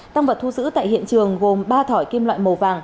tăng vật thu giữ tại hiện trường gồm ba thỏi kim loại màu vàng